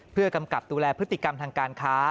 เพื่อกำกับดูแลพฤติกรรมทางการค้า